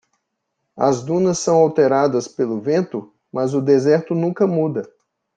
As dunas são alteradas pelo vento?, mas o deserto nunca muda.